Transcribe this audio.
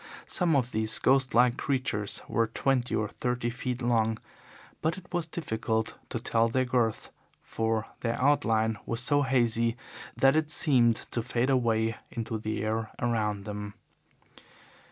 Some of these ghost like creatures were twenty or thirty feet long, but it was difficult to tell their girth, for their outline was so hazy that it seemed to fade away into the air around them.